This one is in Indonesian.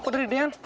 kok dari deyan